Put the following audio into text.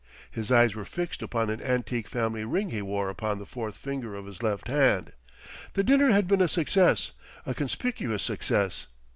His eyes were fixed upon an antique family ring he wore upon the fourth finger of his left hand. The dinner had been a success, a conspicuous success.